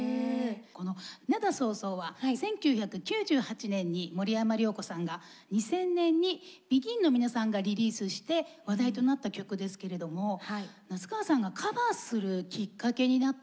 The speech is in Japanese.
この「涙そうそう」は１９９８年に森山良子さんが２０００年にＢＥＧＩＮの皆さんがリリースして話題となった曲ですけれども夏川さんがカバーするきっかけになったのは？